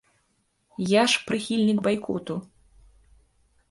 Я ж прыхільнік байкоту.